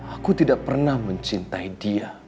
aku tidak pernah mencintai dia